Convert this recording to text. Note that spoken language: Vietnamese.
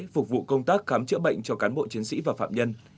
phục vụ công tác khám chữa bệnh cho cán bộ chiến sĩ và phạm nhân